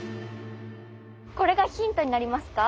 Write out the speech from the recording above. これがヒントになりますか？